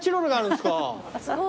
すごい。